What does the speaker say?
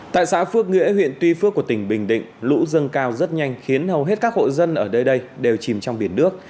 tại xã phước nghĩa huyện tuy phước của tỉnh bình định lũ dâng cao rất nhanh khiến hầu hết các hộ dân ở đây đều chìm trong biển nước